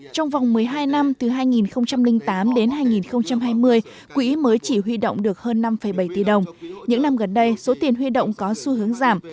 trong vòng một mươi hai năm từ hai nghìn tám đến hai nghìn hai mươi quỹ mới chỉ huy động được hơn năm bảy tỷ đồng những năm gần đây số tiền huy động có xu hướng giảm